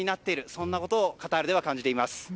そんなことをカタールでは感じています。